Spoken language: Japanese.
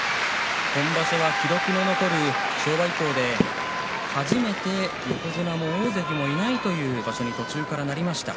今場所は記録の残る昭和以降で初めて横綱も大関もいないという場所に途中からなりました。